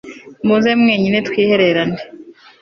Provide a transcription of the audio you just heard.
muze mwenyine twihererane